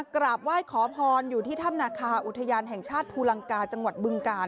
กราบไหว้ขอพรอยู่ที่ถ้ำนาคาอุทยานแห่งชาติภูลังกาจังหวัดบึงกาล